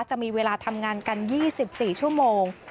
จะมีเวลาทำงานกัน๒๔ชั่วโมง